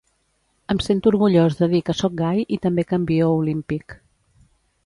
Em sento orgullós de dir que sóc gai i també campió olímpic.